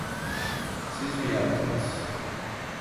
Siz mi yaptınız?